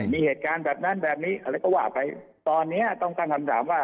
มีเหตุการณ์แบบนั้นแบบนี้อะไรก็ว่าไปตอนเนี้ยต้องตั้งคำถามว่า